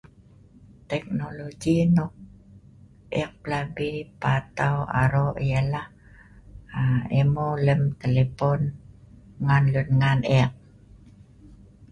Teknologi nok ek pelabi patau aro yah lah emeu lem telepon ngan lun ngan ek